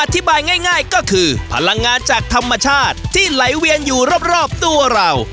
อธิบายง่ายก็คือพลังงานจากธรรมชาติที่ไหลเวียนอยู่รอบตัวเรา